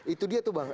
itu dia tuh bang